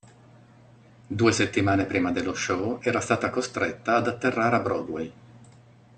Due settimane prima dello show era stata costretta ad atterrare a Broadway.